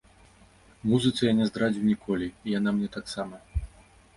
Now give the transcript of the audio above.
Музыцы я не здрадзіў ніколі, і яна мне таксама.